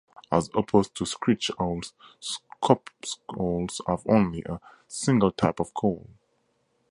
As opposed to screech owls, scops owls have only a single type of call.